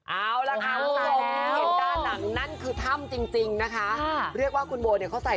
เอาละค่ะตอนหลังนั้นคือถ้ำจริงจริงนะคะค่ะเรียกว่าคุณโบเนี่ยเขาใส่